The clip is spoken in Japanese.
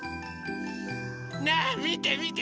ねえみてみて！